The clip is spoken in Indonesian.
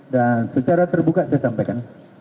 dan secara terbuka saya sampaikan